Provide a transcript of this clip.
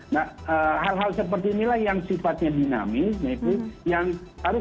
nah hal hal seperti inilah yang sifatnya dinamis